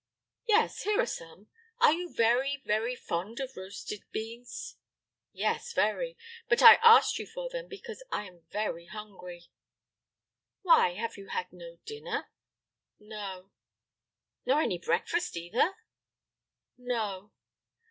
"Yes, here are some. Are you very, very fond of roasted beans?" "Yes, very; but I asked you for them because I am very hungry." "Why, have you had no dinner?" "No." "Nor any breakfast, either?" "No."